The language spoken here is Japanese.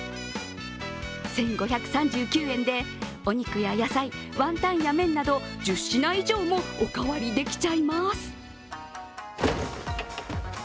１５３９円でお肉や野菜ワンタンや麺など１０品以上もお代わりできちゃいます。